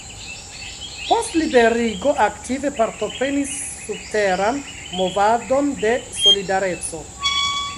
Post liberigo aktive partoprenis subteran movadon de Solidareco.